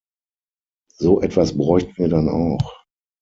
So etwas bräuchten wir dann auch.